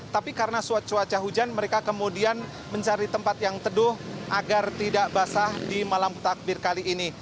tapi karena cuaca hujan mereka kemudian mencari tempat yang teduh agar tidak basah di malam takbir kali ini